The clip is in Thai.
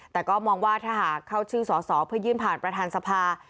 แต่ก็มองว่าถ้าหากเข้าชื่อสอสอเพื่อยื่นผ่านประธานสภา